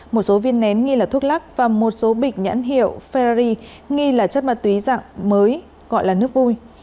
một số viên nén nghi là thuốc lắc và một số bịch nhãn hiệu ferrari nghi là chất ma túy dạng mới gọi là nước vui